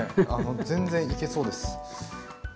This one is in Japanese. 全然いけそうです。